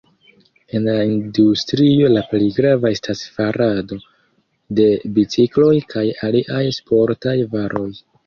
En la industrio la plej grava estas farado de bicikloj kaj aliaj sportaj varoj.